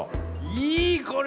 いいこれ！